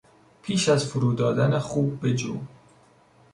پیش از فرو دادن خوب بجو!